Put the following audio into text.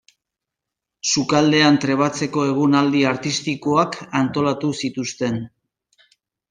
Sukaldean trebatzeko egonaldi artistikoak antolatu zituzten.